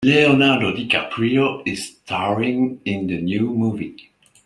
Leonardo DiCaprio is staring in the new movie.